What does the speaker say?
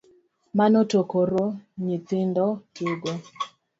Mano to koro nyithindo tugo?